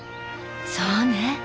そうね。